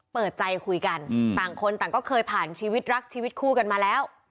เปิดใจคุยกันต่างคนต่างก็เคยผ่านชีวิตรักชีวิตคู่กันมาแล้ว